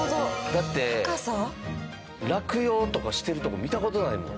だって落葉とかしてるとこ見た事ないもん。